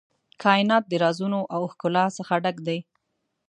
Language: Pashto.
کائنات د رازونو او ښکلا څخه ډک دی.